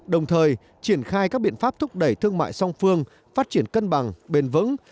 đồng thời triển khai các biện pháp thúc đẩy thương mại song phương phát triển cân bằng bền vững